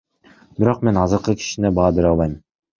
Бирок мен азыркы ишине баа бере албайм.